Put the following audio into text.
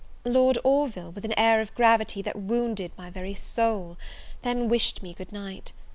Lord Orville, with an air of gravity that wounded my very soul, then wished me good night.